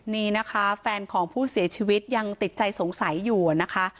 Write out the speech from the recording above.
นี่นะคะแฟนของผู้เสียชีวิตยังติดใจสงสัยอยู่นะคะ